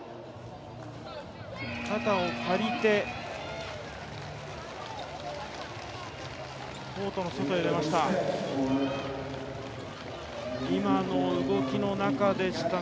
肩を借りてコートの外に出ました。